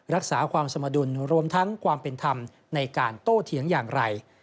รักษาความสมดุลรวมทั้งความเป็นธรรมในการโตเถียงอย่างไร